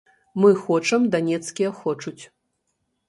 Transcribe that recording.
Мы хочам, данецкія хочуць.